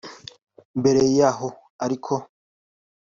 Mbere y’aho ariko